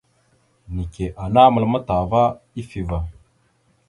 Neke ana məlam ataha ava ifevá.